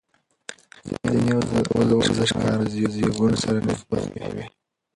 ځینې ورزشکاران د زېږون سره نېکبخته وي.